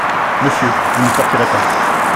Monsieur, vous ne sortirez pas.